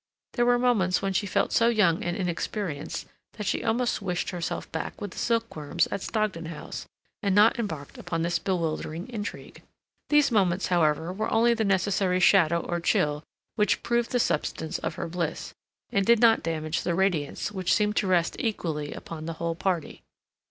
There were moments when she felt so young and inexperienced that she almost wished herself back with the silkworms at Stogdon House, and not embarked upon this bewildering intrigue. These moments, however, were only the necessary shadow or chill which proved the substance of her bliss, and did not damage the radiance which seemed to rest equally upon the whole party.